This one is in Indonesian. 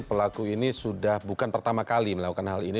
pelaku ini sudah bukan pertama kali melakukan hal ini